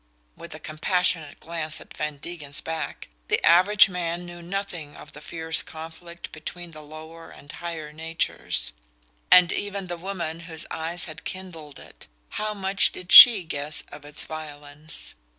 (with a compassionate glance at Van Degen's back) the average man knew nothing of the fierce conflict between the lower and higher natures; and even the woman whose eyes had kindled it how much did SHE guess of its violence?